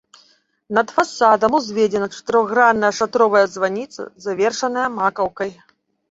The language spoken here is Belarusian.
Над фасадам узведзена чатырохгранная шатровая званіца, завершаная макаўкай.